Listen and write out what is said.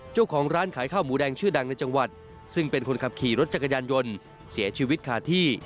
เจ้าของร้านขายข้าวหมูแดงชื่อดังในจังหวัดซึ่งเป็นคนขับขี่รถจักรยานยนต์เสียชีวิตขาดที่